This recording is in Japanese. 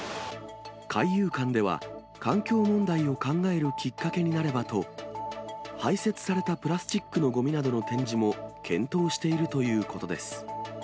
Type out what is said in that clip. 海遊館では、環境問題を考えるきっかけになればと、排せつされたプラスチックのごみなどの展示も検討しているということです。